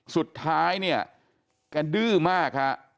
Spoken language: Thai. สุดท้ายเนี่ยแกดื้อมากฮะ